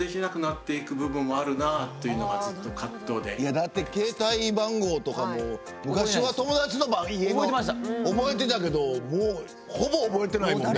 だって携帯番号とかも昔は友達の家の覚えてたけどもうほぼ覚えてないもんね。